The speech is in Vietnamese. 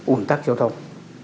uẩn tắc giao thông